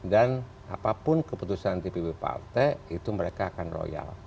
dan apapun keputusan dpp partai itu mereka akan royal